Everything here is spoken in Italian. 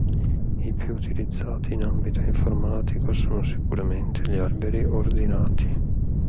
I più utilizzati in ambito informatico sono sicuramente gli alberi ordinati.